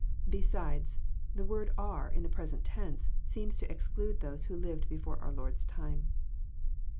Besides, the word "are," in the present tense, seems to exclude those who lived before our Lord's time.